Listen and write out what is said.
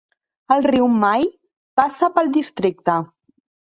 El riu Mahi passa pel districte.